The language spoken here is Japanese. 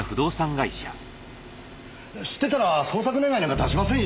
知ってたら捜索願なんか出しませんよ。